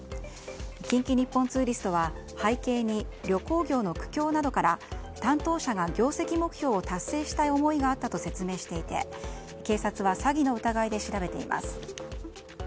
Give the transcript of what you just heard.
近畿日本ツーリストは背景に旅行業の苦境などから担当者が業績目標を達成したい思いがあったと説明していて警察は詐欺の疑いで調べています。